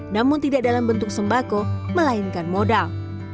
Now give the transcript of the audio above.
namun tidak dalam bentuk sembako melainkan modal